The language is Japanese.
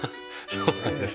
その跡なんです。